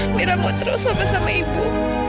amira mau terus sama sama ibu